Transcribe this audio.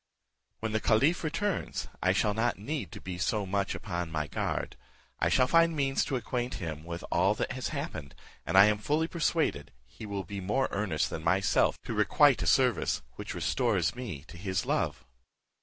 "When the caliph returns, I shall not need to be so much upon my guard. I shall find means to acquaint him with all that has happened, and I am fully persuaded he will be more earnest than myself to requite a service which restores me to his love."